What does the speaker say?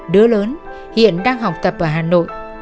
đứa lớn hiện đang học tập ở hà nội